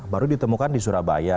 baru ditemukan di surabaya